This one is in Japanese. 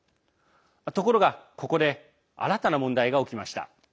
ところが、ここで新たな問題が起きました。